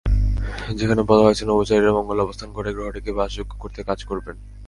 যেখানে বলা হয়েছে, নভোচারীরা মঙ্গলে অবস্থান করে গ্রহটিকে বাসযোগ্য করতে কাজ করবেন।